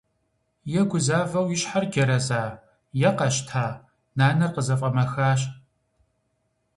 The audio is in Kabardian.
Е гузавэу и щхьэр джэрэза е къэщта - нанэр къызэфӀэмэхащ.